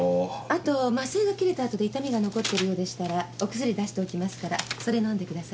あと麻酔が切れた後で痛みが残ってるようでしたらお薬出しておきますからそれ飲んでください。